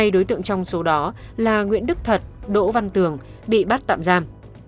hai đối tượng trong số đó là nguyễn đức thật đỗ văn tường bị bắt tạm giam